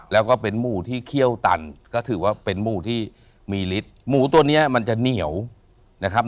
แล้วก็เป็นหมูที่เคี่ยวตันก็ถือว่าเป็นหมูที่มีฤทธิ์หมูตัวเนี้ยมันจะเหนียวนะครับ